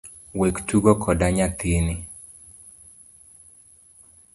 Wek tugo koda nyathini